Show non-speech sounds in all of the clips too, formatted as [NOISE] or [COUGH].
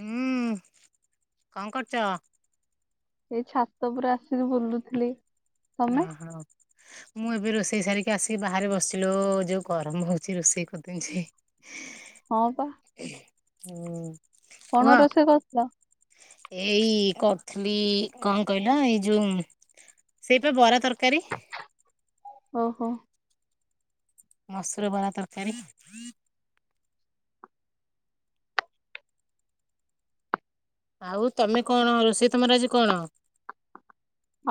ହୁଁ କଣ କରୁଚ? ଏଇ ଛାତ ଉପରେ ଆସିକି ବୁଲୁଥିଲି। ଆ, ତମେ ହଁ। ମୁଁ ଏବେ ରୋଷେଇ ସାରିକି ଆସିକି ବାହାରେ ବସିଲୁ। ଯୋଉ ଗରମ ହଉଛି ରୋଷେଇ କରିଦଉଛି। ହଁ ପା। ହୁଁ। କୁହ କଣ ରୋଷେଇ କରଥିଲ? ଏଇ କର୍ ଥିଲି କଣ କହିଲ ଏଇ ଯୋଉ ସେଇପା ବରା ତରକାରୀ। ଓହୋ। ମସୁର ବରା ତରକାରୀ। ଆଉ ତମେ କଣ ରୋସେଇ ତମର୍ ଆଜି କଣ?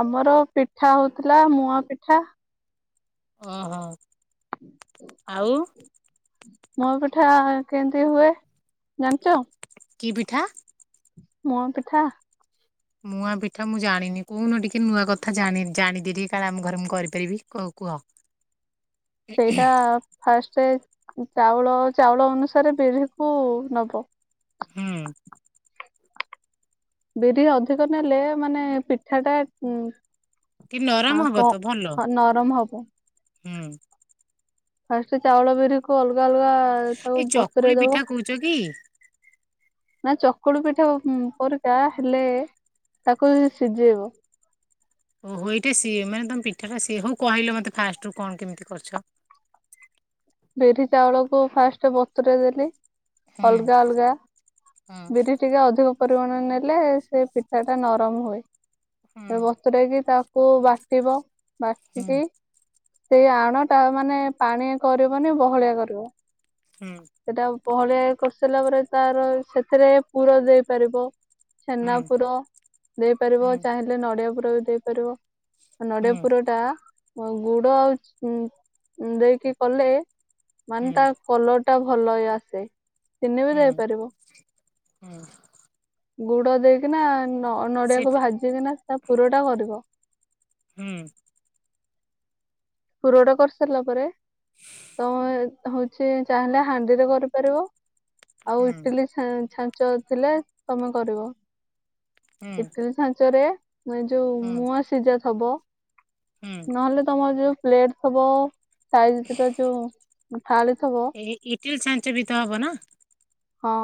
ଆମର ପିଠା ହଉଥିଲା ମୁଅଁ ପିଠା। ଓହୋ ଆଉ? ମୋ ପିଠା କେମ୍ତି ହୁଏ ଜାଣଚ? କି ପିଠା? ମୁଅଁ ପିଠା। ମୁୂଆଁ ପିଠା ମୁଁ ଜାଣିନି କହୁନ ଟିକେ ନୂଆ କଥା ଜାଣି ଜାଣିଦେଟିକେ କାଳେ ଆମ ଘରେ ମୁଁ କରିପାରିବି କଉ କୁହ? [INAUDIBLE] ସେଇଟା ଫାଷ୍ଟେ ଚାଉଳ ଚାଉଳ ଅନୁସାରେ ବିରି କୁ ନବ ହୁଁ। ବିରି ଅଧିକ ନେଲେ ମାନେ ପିଠା ଟା ଉଁ। ଟିକେ ନରମ ଆଉ ହବ ଙ୍କ ତ ଭଲ ହ ନରମ ହବ। ହୁଁ। ଫାଷ୍ଟେ ଚାଉଳ ବିରି କୁ ଅଲଗା ଅଲଗା ତାକୁ ଏଇ ଚକୁଳି ବତୁରେ ଦବ ପିଠା କହୁଛ କି? ନା ଚକୁଳି ପିଠା ଉଁ ପରିକା ହେଲେ ତାକୁ ସିଯେଇବ। ଓହୋ ଏଇଟା ସିଏ ମାନେ ତମ ପିଠାଟା ସିଏ ହଉ କହିଲେ ମୋତେ ଫାଷ୍ଟରୁ କଣ କେମିତି କରିଛ? ବିରି ଚାଉଳକୁ ଫାଷ୍ଟେ ବତରେଇ ଦେଲି ଅଲଗା ଅଲଗା ବିରି ଟିକେ ଅଧିକ ପରିମାଣ ନେଲେ ସେ ପିଠା ଟା ନରମ ହୁଏ ହେବ। ଜଉଟାକି ତାକୁ ବାଟିବ ବାଟିକି ସେଇ ଆଣ ଟା ମାନେ ପାଣି କରିବନି ବହଳିଆ କରିବ। ହୁଁ। ସେଟା ବହଳିଆ କରିସାରିଲା ପରେ, ତାର ସେଥିରେ ପୁର ଦେଇପାରିବ। ଛେନା ପୁର ଦେଇପାରିବ। ଚାହିଁଲେ ନଡିଆ ପୁର ବି ଦେଇପାରିବ। ନଡିଆ ପୁର ଟା ଗୁଡ ଆଉ ଉଁ ଉଁ ଦେଇକି କଲେ ମାନେ ତା କଲର୍ ଟା ଭଲ ହେଇ ଆସେ। ଚିନି ବି ଦେଇପାରିବ ଗୁଡ ଦେଇକିନା ନ ନଡ଼ିଆକୁ ଭାଜିକିନା ତା ପୁରଟା କରିବ। ହୁଁ। ପୁରଟା କର୍ ସାରିଲା ପରେ ତମେ ହଉଛି ଚାହିଁଲେ ହାଣ୍ଡିରେ କରିପାରିବ ଆଉ ଇଟିଲି ଛା ଛା ଞ୍ଚ ଥିଲେ ତମେ କରିବ ଇଟିଲି ଛାଞ୍ଚରେ ମାନେ ଯୋଉ ମୁୂଆଁ ସିଝା ଥବ ନହେଲେ ତମର ଯୋଉ ପ୍ଲେଟ୍ ଥବ ତା ଭିତରେ ଯୋଉ ଥାଳି ଥିବ ଏ ଇଟିଲି ଛାଞ୍ଚ ବି ତ ହବ ନା? ହଁ।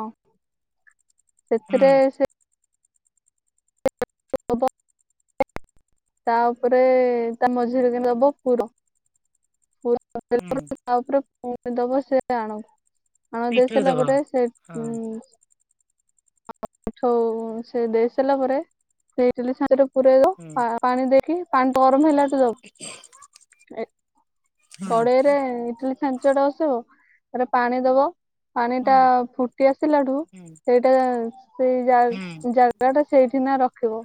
ହୁଁ ସେଥିରେ ସେ ହବ। ତାଉପରେ ତା ମଝିରେ କିନା ଦବ ପୁର ପୁର। ହୁଁ [UNINTELLIGIBLE] ତା ଉପରେ ପୁଣି ଦେବ ସେ ଆଣ। ଆଣ ଦେଇ ପିଠଉ ସାରିଲା ଦବ ପରେ ସେ ଉଁ ହଁ। ପିଠଉ ସେ ଦେଇ ସାରିଲା ପରେ ସେ ଇଟିଲି ଛାଞ୍ଚ ଟାକୁ ପରେଇ ବ ହୁଁ ପା ପାଣି ଦେଇକି ପାଣି ଗରମ ହେଲାଠୁ ଦବ ଏ ହୁଁ କଡେଇରେ ଇଟିଲି ଛାଞ୍ଚଟା ବସେଇବ। ତାପରେ ପାଣି ଦବ। ହୁଁ ପାଣିଟା ଫୁଟି ଆସିଲା ଠୁ, ହୁଁ ସେଇଟା ସେଇ ହୁଁ ଜାଗା ଟା ସେଇଠି ନା ରଖିବ।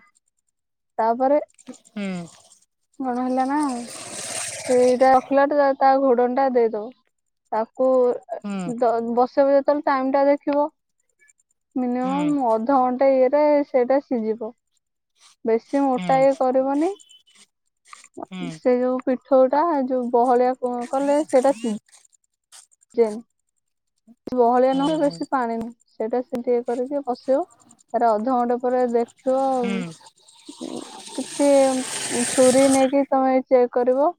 ତାପରେ ହୁଁ। କଣ ହେଲା ନା? ସେଇଟା ରଖିଲାଠୁ, ତା ଘୋଡ଼ଣିଟା ଦେଇଦବ। ତାକୁ ହୁଁ ବସେଇବ ଯେତେବେଳେ, ଟାଇମ ଟା ଦେଖିବ। ହୁଁ ମିନିମମ୍ ଅଧଘଣ୍ଟା ଇଏରେ ସେଇଟା ସିଝିବ। ବେଶୀ ମୋଟା ଇଏ କରିବନି। ସେ ଯୋଉ ପିଠଉଟା ଯୋଉ ବହଳିଆ କଲେ, ସେଇଟା ସିଝି ବହଳିଆ ନୁହେଁ କି ହୁଁ ହୁଁ ହୁଁ ବେଶୀ ପାଣି ନୁହଁ ସେଇଟା ସେମିତି ଏ କରିକି ବସିବ। ଆରେ ଅଧଘଣ୍ଟା ପରେ ଦେଖିବ ହୁଁ ହୁଁ ଆଉ କିଛି ଛୁରୀ ନେଇକି ତମେ ଚେକ୍ କରିବ।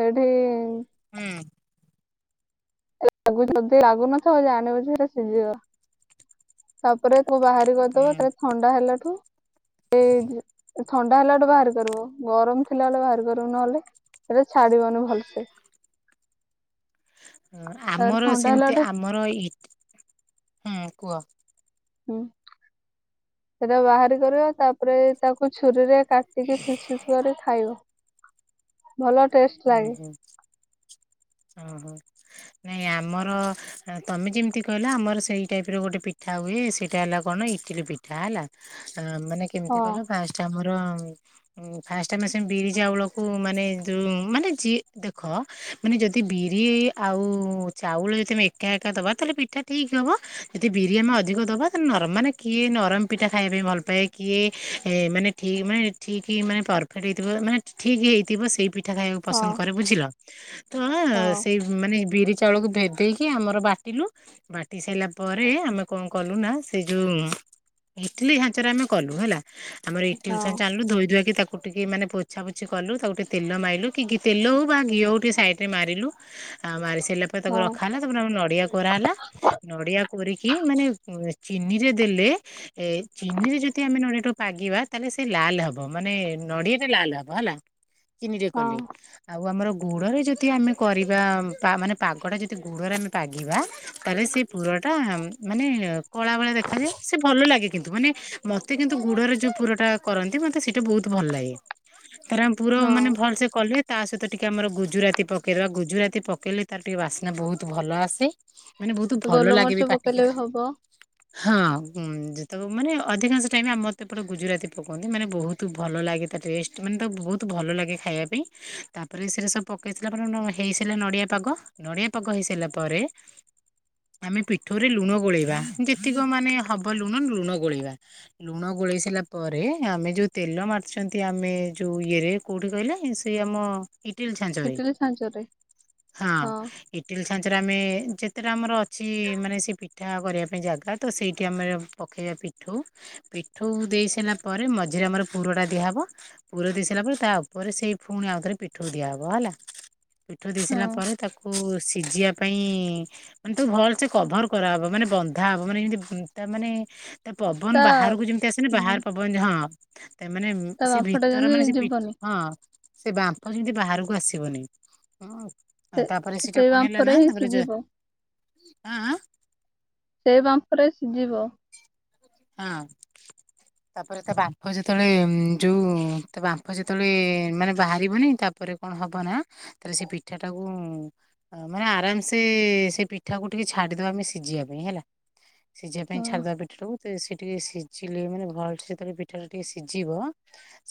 ସେଠି ଇ‌। ହୁଁ। ଲାଗୁ ଯଦି, ଲାଗୁନଥିବ ଜାଣିବୁ ଯେ ସେଇଟା ସିଝିବ। ତାପରେ ତାକୁ ବାହାରି କରିଦବୁ। ତାଲେ ଥଣ୍ଡା ହେଲାଠୁ ଏ ଥଣ୍ଡା ହେଲା ବଳେେ ବାହାର କରିବ। ଗରମ ଥିଲାବେଳେ ବାହାର କରିବୁ, ନହେଲେ ହେଲେ ଛାଡିବନି ଭଲସେ। ହୁଁ ତାପରେ ଆମର ଥଣ୍ଡା ସେମିତି, ହେଲାଠୁ ଆମର ଇ ହଁ, କୁହ? ହୁଁ। ସେଇଟା ବାହାରି କରିବ। ତାପରେ ତାକୁ ଛୁରୀରେ କାଟିକି ଫିସଫିସ୍ କରି ଖାଇବ। ଭଲ ଟେଷ୍ଟ। ହୁଁ, ଲାଗେ ହୁଁ। ଓ ହୋ। ନାଇଁ ଆମର, ତମେ ଯେମିତି କହିଲା, ଆମର ସେଇ ଟାଇପ୍ ର ଗୋଟେ ପିଠା ହୁଏ। ସେଇଟା ହେଲା କଣ ଇଟିଲି ପିଠା। ପିଠା ହେଲା। ମାନେ କେମିତି ହଁ କହିଲ ଫାଷ୍ଟ ଆମର ଫାଷ୍ଟ ଟାଇମ ଆସ ବିରି ଯଉଳକୁ ମାନେ ଜି ଯଉ ମାନେ ଯିଏ ଦେଖ ମାନେ ଯଦି ବିରି ଆଉ ଉ ଚାଉଳ ଯଦି ଆମେ ଏକା ଏକା ଦବା ତାହେଲେ ପିଠା ଠିକ୍ ହବ ଯଦି ବିରି ଆମେ ଅଧିକ ଦବା ତାହାଲେ ନରମ୍ ମାନେ କିଏ ନରମ ପିଠା ଖାଇବା ପାଇଁ ଭଲ ପାଏ, କିଏ ମାନେ ଠିକ୍ ମାନେ ଠିକ୍ ମାନେ ପର ଫେକ୍ଟ ହେଇଥିବ ମାନେ ଠିକ୍ ହେଇଥିବ ସେଇ ପିଠା ଖାଇବାକୁ ହଁ ପସନ୍ଦ କରେ ବୁଝିଲ, ତ ଅ ହଁ ସେଇ ମାନେ ବିରି ଚାଉଳକୁ ଭେଦେଇକି ଆମର ବାଟିଲୁ ବାଟି ସାରିଲା ପରେ ଆମେ କଣ କଲୁ ନା ସେ ଯୋଉ ଇଟିଲି ଛାଞ୍ଚରେ ଆମେ କଲୁ ହେଲା। ଆମର ଇଟିଲି ହଁ ଛାଞ୍ଚ ଅନଲୁ ଧୋଇ ଧୁଆକି ତାକୁ କୁ ଟିକେ ମାନେ ପୋଛା ପୋଛି କଲୁ, ତାକୁ ଟିକେ ତେଲ ମାଇଲୁ କି ତେଲ ହଉ ବା ଘିଅ ହଉ ଟିକେ ସାଇଡ ରେ ମାରିଲୁ ଆଉ ମାରି ସାରିଲା ପରେ ତାକୁ ହଁ ରଖା ହେଲା ତାପ ଆମର ନଡିଆ କୋରା ହେଲା। ନଡିଆ କୋରିକି ମାନେ ଚିନିରେ ଦେଲେ ଏ ଚିନିରେ ଯଦି ଆମେ ନଡିଆଟାକୁ ପାଗିବା ତାହେଲେ ସେ ଲାଲ ହବ ମାନେ ନଡିଆ ଟା ଲାଲ ହବ ହେଲା। ଚିନିରେ ହଁ କଲେ ଆଉ ଆମର ଗୁଡରେ ଯଦି ଆମେ କରିବା ମାନେ ପାଗଟା ଯଦି ଗୁଡ଼ରେ ଆମେ ପାଗିବା ତାହେଲେ ସେ ପୁରଟା ମାନେ କଳା ଭଳେଆ ଦେଖାଯାଏ ସେ ଭଲ ଲାଗେ କିନ୍ତୁ ମାନେ ମତେ କିନ୍ତୁ ଗୁଡରେ ଯୋଉ ପୁରଟା କରନ୍ତି ମତେ ମତେ ବହୁତ ଭଲ ଲାଗେ। ତାର ଆମେ ପୁର ହଁ ମାନେ ଭଲସେ କଲେ ତା ସହିତ ଟିକେ ଆମର ଗୁଜୁରାତି ପକେଇବା ଗୁଜୁରାତି ପକେଇଲେ ତାର ଟିକେ ବାସ୍ନା ବହୁତ ଭଲ ଆସେ, ମାନେ ବହୁତ ଭଲ ଲାଗେ ଗୋଲମରିଚ ବି ପାଟିକି ପକେଇଲେ ଖା ହବ ହଁ ଯେତେବେଳେ ମାନେ ଅଧିକାଂଶ ଟାଇମ ଆମର ତ ଏପଟେ ଗୁଜୁରାତି ପକାନ୍ତି। ମାନେ ବହୁତ ବହୁତ ଭଲ ଲାଗେ ତା ଟେଷ୍ଟ ମାନେ ତ ବହୁତ ଭଲ ଲାଗେ ଖାଇବା ପାଇଁ। ତାପରେ ସେଟା ସବୁ ପକାଇସଇଲା ପରେ ହେଇସଇଲା ନଡ଼ିଆ ପାଗ। ନଡ଼ିଆ ପାଗ ହେଇସାରିଲା ପରେ ଆମେ ପିଠଉରେ ଲୁଣ ଗୋଳେଇବା ଯେତିକ ମାନେ ହବ ଲୁଣ ଲୁଣ ଗୋଳେଇବା। ଲୁଣ ଗୋଳେଇ ସାରିଲା ପରେ ଆମେ ଯୋଉ ତେଲ ମାରିଛନ୍ତି ଆମେ ଯୋଉ ଇଏରେ କୋଉଠି କହିଲେ ସେ ଆମ ଇଟିଲି ଛାଞ୍ଚରେ ଇଟିଲି ଛାଞ୍ଚରେ ହଁ। ଇଟିଲି ଛାଞ୍ଚରେ ଆମେ ଯେତେଟା ଆମର ଅଛି ମାନେ ସେ ପିଠା କରିବା ପାଇଁ ଜାଗା ତ ସେଇଠି ଆମର ପକେଇବା ପିଠୋଉ, ପିଠୋଉ ଦେଇ ସାରିଲା ପରେ ମଝିରେ ଆମର ପୁରଟା ଦିଆହେବ। ପୁର ଦେଇ ସାରିଲା ପରେ ତା ଉପରେ ସେଇ ପୁଣି ଆଉ ଥରେ ପିଠୋଉ ଦିଆହବ ହେଲା। ପିଠୋଉ ଦେଇ ହଁ ସାରିଲା ପରେ ତାକୁ ସିଝିବା ପାଇଁ ମାନେ ତାକୁ ଭଲ ସେ କଭର କରାହବ ମାନେ ବନ୍ଧା ହବ ମାନେ ଏମିତି ତା ମାନେ ତା ପବନ ବାହାରକୁ ଯେମିତି ଆସେନି ହୁଁ ବାହାର ପବନ ଯେ ହଁ। ତା ମାନେ ତା ସେ ବାମ୍ଫଟା ଭିତର ଯେମିତି ମାନେ ସେ ପି ଯିବନି ହଁ। ସେ ବାମ୍ପ ଯେମିତି ବାହାରକୁ ଆସିବନି। ସେ ତାପରେ ସେଇଟା ସେଇ କଣ ହେଲା ବାମ୍ଫରେ ନା ହିଁ ତାପରେ ଯ ସିଝିବ ଆଁ ଆଁ ସେଇ ବାମ୍ପରେ ସିଝିବ? ହଁ। ତାପରେ ତା ବାମ୍ଫ ଯେତେବେଳେ ଯୋଉ ତା ବାମ୍ପ ଯେତେବେଳେ ମାନେ ବାହାରିବନି ତା ପରେ କଣ ହବ ନା ତାରେ ସେ ପିଠା ଟାକୁ ମାନେ ଆରାମସେ ସେ ପିଠାକୁ ଟିକେ ଛାଡିଦବା ଆମେ ସିଝିବା ପାଇଁ ହେଲା। ସିଝିବା ପାଇଁ ହଁ ଛାଡିଦବା ପିଠାଟାକୁ। ତ ସେ ଟିକେ ସିଝିଲେ ମାନେ ଭଲସେ ଯେତେବେଳେ ପିଠାଟା ଟିକେ ସିଝିବ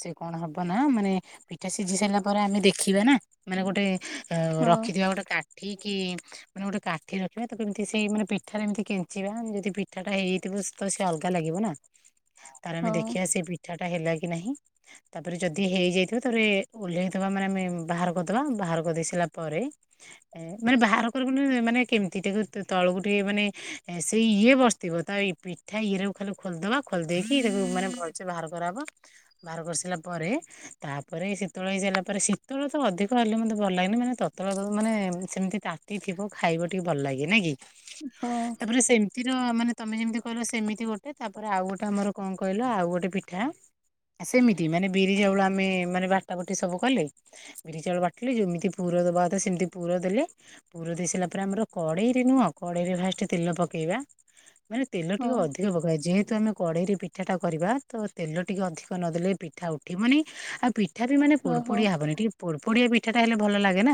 ସେ କଣ ହବ ନା ମାନେ ପିଠା ସିଝି ସାରିଲା ପରେ ଆମେ ଦେଖିବା ନା ମାନେ ଗୋଟେ ଆ ହଁ ରଖିଥିବା ଗୋଟେ କାଠି କି ମାନେ ଗୋଟେ କାଠି ରଖିବା ତାକୁ ଏମିତି ସେଇ ମାନେ ପିଠାରେ ଏମିତି କେଞ୍ଚିବା ଯଦି ପିଠାଟା ହେଇ ଯାଇଥିବ ତ ସେ ଅଲଗା ଲାଗିବ ନା ତାର ଆମେ ହଁ ଦେଖିବା ସେ ପିଠା ଟା ହେଲା କି ନାହିଁ। ତାପରେ ଯଦି ହେଇଯାଇଥିବ ତାପରେ ଓହ୍ଲେଇଦବା ମାନେ ଆମେ ବାହାର କରିଦବା। ବାହାର କରିଦେଇ ସାରିଲା ପରେ ମାନେ ବାହାର କର ମାନେ କେମିତି ତାକୁ ତଳକୁ ଟିକେ ମାନେ ସେଇ ଇଏ ବସିଥିବ ତା ପିଠା ଇଏରେ ଖାଲି ଖୋଲିଦବା ଖୋଲି ଦେଇକି ମାନେ ଭଲସେ ବାହାର କରାହେବ ବାହାର କରିସାରିଲା ପରେ ତାପରେ ଶୀତଳ ହେଇସାରିଲା ପରେ ଶୀତଳ ତ ଅଧିକ ହେଲେ ମତେ ଭଲ ଲାଗେନି ମାନେ ତତଳା ତ ମାନେ ସେମିତି ତା [UNINTELLIGIBLE] ଥିବ ଖାଇବ ଟିକେ ଭଲ ଲାଗେ ନାଇଁ କି। ହଁ ତାପରେ ସେମିତିର ମାନେ ତମେ ଯେମତି କର ସେମିତି ଗୋଟେ ତାପରେ ଆଉ ଗୋଟେ ଆମର କଣ କହିଲ ଆଉ ଗୋଟେ ପିଠା ସେମିତି ମାନେ ବିରି ଚାଉଳ ଆମେ ମାନେ ବାଟା ବାଟି ସବୁ କଲେ। ବିରି ଚାଉଳ ବାଟିଲି ଯେମିତି ପୁର ଦବା କଥା ସେମିତି ପୁର ଦେଲି। ପୁର ଦେଇ ସାରିଲା ପରେ ଆମର କଡେଇରେ ନୁହଁ କଡେଇରେ ଫାଷ୍ଟ ତେଲ ପକେଇବା। ମାନେ ତେଲ ହଁ ଟିକେ ଅଧିକ ପକାଏ ଯେହେତୁ ଆମେ କଡ଼େଇରେ ପିଠାଟା କରିବା ତ ତେଲ ଟିକେ ଅଧିକ ନଦେଲେ ପିଠା ଉଠିବନି। ଆଉ ପି ଠା ବି ମାନେ ପୋଡ ଓହୋ ପୋଡିଆ ହବନି। ଟିକେ ପୋଡ ପୋଡିଆ ପିଠାଟା ହେଲେ ଭଲ ଲାଗେ ନା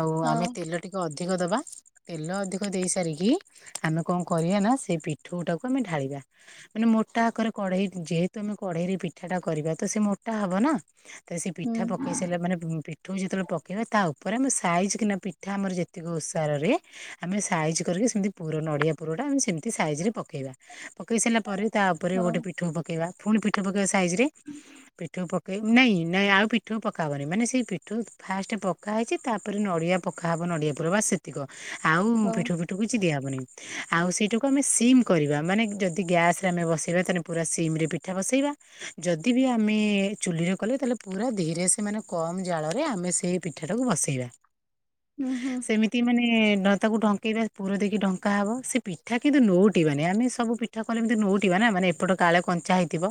ଆଉ ହଁ ଆମେ ତେଲ ଟିକେ ଅଧିକ ଦବା ତେଲ ଅଧିକ ଦେଇ ସାରିକି ଆମେ କଣ କରିବା ନା ସେ ପି ଠଉ ଟାକୁ ଆମେ ଢାଳିବା। ମାନେ ମୋଟା ଆକରେ କଢେଇ ଯେହେତୁ ଆମେ କଢେଇରେ ପିଠା ଟା କରିବା ତ ସେ ମୋଟା ହବ ନା। ତ ସେ ହୁଁ ପିଠା ପକେଇ ସାରିଲା ମାନେ ଉଁ ପି ଠଉ ଯେତେବେଳେ ପକେଇବା ତା ଉପରେ ଆମେ ସାଇଜ୍ କିନା ପିଠା ଆମର ଯେତିକି ଓଷାରରେ। ଆମେ ସାଇଜ୍ କରିକି ସେମିତି ପୁର ନଡିଆ ପୁରଟା ମାନେ ସେମିତି ସାଇଜ୍ ରେ। ପକେଇବା ପକେଇ ସାରିଲା ପରେ ତା ଉପରେ ହଁ ଗୋଟେ ପିଠଉ ପକେଇବା ପୁଣି ପିଠା ପକେଇବା ସାଇଜରେ। ପିଠଉ ପକେଇ ନାଇଁ ନାଇଁ ଆଉ ପିଠଉ ପକାହବନି ମାନେ ସେଇ ପିଠଉ ଫାର୍ଷ୍ଟ ପ କା ହେଇଛି ତାପରେ ନଡ଼ିଆ ପକାହବ ନଡ଼ିଆ ପୁର ବା ସେ ତିକ ଆଉ ହଁ ପିଠଉ ପିଠଉ କିଛି ଦିଆହବନି ଆଉ ସେଇଟାକୁ ଆମେ ସିମ୍। କରିବା ମାନେ ଯଦି ଗ୍ୟାସ ରେ ଆମେ ବସେଇବା ତାନେ ପୁରା ସିମ୍ ରେ ପିଠା ବସେଇବା। ଯଦି ବି ଆମେ ଚୁଲିରେ କଲେ ତାହେଲେ ପୁରା ଧୀରେ ସେ ମାନେ କମ ଜାଳରେ ଆମେ ସେଇ ପିଠାଟାକୁ ବସେଇବା। ଉଁ ହଁ। ତି ମାନେ ନ ତାକୁ ଢଙ୍କେଇବା ପୁର ଦେଇକି ଢଙ୍କା ହବ ସେ ପିଠା କିନ୍ତୁ ନଉ ଟେଇବାନି ଆମେ ସବୁ ପିଠା କଲେ ଏମିତି ନଉଟିବା ନା ମାନେ ଏପଟ କାଳେ କଞ୍ଚା ହେଇଥିବ।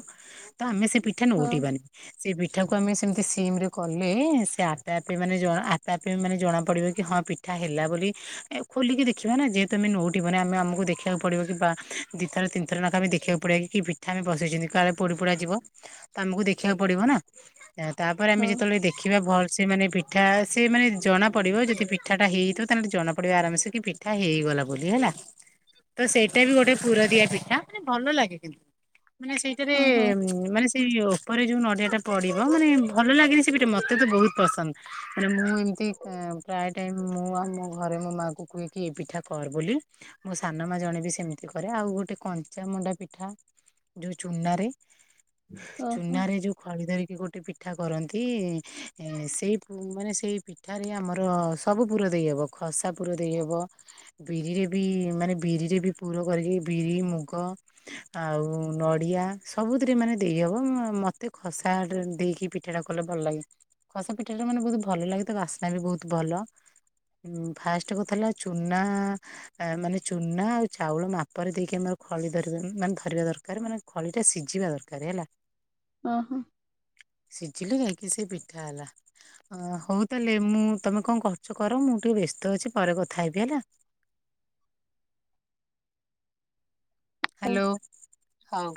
ତ ଆମେ ସେ ପିଠା ହଁ ନଉଟେବାନି। ସେ ପିଠା କୁ ଆମେ ସେମିତି ସିମରେ କଲେ ସେ ଆପେ ଆପେ ମାନେ ଯ ଆପେ ଆ [UNINTELLIGIBLE] ମାନେ ଜଣାପଡିବ କି ହଁ ପିଠା ହେଲା ବୋଲି ଏ ଖୋଲିକି ଦେଖିବା ନା ଯେହେତୁ ଆମେ ନଉଟିବ ଆମେ ଆମକୁ ଦେଖିବାକୁ ପଡିବ କି ବା ଦିଥର, ତିନିଥର ନେଖା ଆମେ ଦେଖିବାକୁ ପଡିବ କି ପିଠା ଆମେ ବସେଇଛନ୍ତି କାଳେ ପୋଡି ପୋଡା ଯିବ। ତ ଆମକୁ ଦେଖିବାକୁ ପଡିବ ନା ଏଁ ତାପରେ ଆମେ ହଁ ଯେତେବେଳେ ଦେ ଖିବା ଭଲ ସେ ମାନେ ପିଠା ସେ ମାନେ ଜଣା ପଡିବ ଯଦି ପିଠାଟା ହେଇଥିବ ତାହେନେ ଜଣା ପଡିବ ଆରାମ ସେ କି ପି ଠା ହେଇଗଲା ବୋଲି ହେଲା। ତ ସେଇଟା ବି ଗୋଟେ ପୁରଦିଆ ପିଠା ମାନେ ଭଲ ଲାଗେ କିନ୍ ମାନେ ସେଇଟାରେ ଓହୋ ଉଁ ମାନେ ଏଇ ଓପରେ ଯୋଉ ନଡ଼ିଆ ଟା ପଡିବ ମାନେ ଭଲ ଲାଗେନି ସେ ପିଠା ମତେ ତ ବହୁତ ପସନ୍ଦ। ମାନେ ମୁଁ ଏମିତି କା ପ୍ରାୟ ଟାଇମ୍ ମୁଁ ଆଉ ମୋ ଘରେ ମୋ ମା କୁ କୁହେ କି ପିଠା କର ବୋଲି ମୁଁ ସା ନ ମା ଜଣେ ବି ସେମିତି କରେ ଆଉ ଗୋଟେ କଞ୍ଚାମଣ୍ଡା ପିଠା ଯୋଉ ଚୁନାରେ। ଓହୋ ଚୁନାରେ ଯୋଉ ଖଳି ଧରିକି ଗୋଟେ ପିଠା କରନ୍ତି ଏ ସେଇ ଉଁ ମାନେ ସେଇ ପି ଠାରେ ଆମର ସବୁ ପୁର ଦେଇହବ ଖସା ପୁର ଦେଇହବ ବିରିରେ ବି ମାନେ ବିରିରେ ବି ପୁର କରିକି ବିରି, ମୁଗ। ଆଉ ନଡିଆ ସବୁଥିରେ ମାନେ ଦେଇହବ ମ୍ ମତେ ଖସାରେ ଦେଇକି ପି ଠା ଟା କଲେ ଭଲ ଲାଗେ ଖସା ପିଠାଟା ମାନେ ବହୁତ ଭଲ ଲାଗେ ତା ବାସ୍ନା ବି ବହୁତ ଭଲ। ଉଁ ଫାର୍ଷ୍ଟ କଥା ହେଲା ଚୁନା ଆ ମାନେ ଚୁନା ଆଉ ଚାଉଳ ମାପରେ ଦେଇକି ଆମର ଖଳି ଧରିବା ମାନେ ଧରିବା ଦରକାର ମାନେ ଖଳିଟା ସିଝିବା ଦରକାର ହେଲା। ଓ ହୋ। ସିଝିଲେ ଯାଇକି ସେ ପିଠା ହେଲା। ଅ ହଉ ତାହେଲେ ମୁଁ ତମେ କଣ କରୁଚ କର ମୁଁ ଟିକେ ବ୍ୟସ୍ତ ଅଛି ପରେ କଥା ହେବି ହେଲା। ହାଲୋ ହଉ।